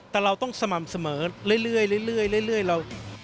แต่เราต้องสม่ำเสมอเรื่อย